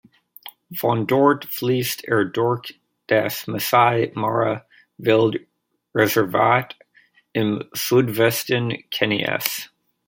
Von dort fließt er durch das Massai Mara-Wildreservat im Südwesten Kenias.